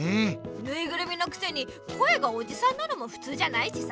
ぬいぐるみのくせに声がおじさんなのもふつうじゃないしさ。